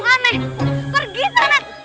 aku hanya mengagumimu dan ingin menjadi kekasihmu